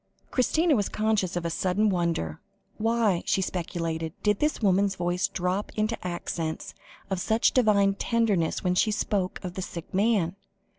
Christina was conscious of a sudden wonder. Why, she speculated, did this woman's voice drop into accents of such divine tenderness when she spoke of the sick man?